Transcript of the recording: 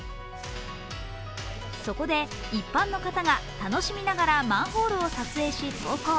そこで一般の方が楽しみながらマンホールを撮影し投稿。